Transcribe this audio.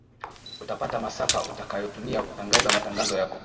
utapata masafa utakayotumia kutangaza matangazo yako